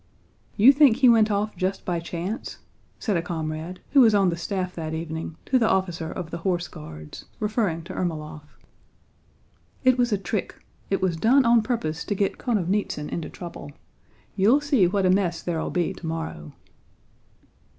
"You think he went off just by chance?" said a comrade, who was on the staff that evening, to the officer of the Horse Guards, referring to Ermólov. "It was a trick. It was done on purpose to get Konovnítsyn into trouble. You'll see what a mess there'll be tomorrow."